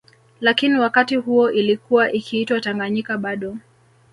Lakini wakati huo ilikuwa ikiitwa Tanganyika bado